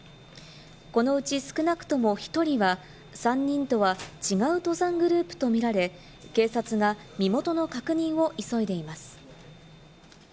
このうち少なくとも１人は３人とは違う登山グループとみられ、警察が身元の確認を急いでいます。